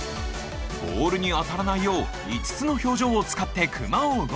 ボールに当たらないよう５つの表情を使ってクマを動かす！